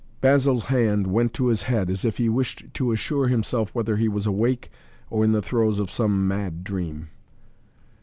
Basil's hand went to his head, as if he wished to assure himself whether he was awake or in the throes of some mad dream.